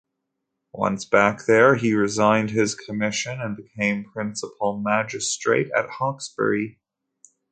Once back there, he resigned his commission and became principal magistrate at Hawkesbury.